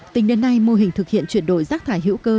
tính đến nay mô hình thực hiện chuyển đổi rác thải hữu cơ